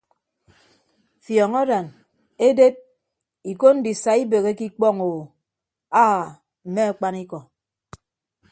Fiọñ aran eded iko ndisa ibeheke ikpọño aa mme akpanikọ.